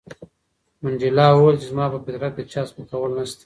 منډېلا وویل چې زما په فطرت کې د چا سپکول نشته.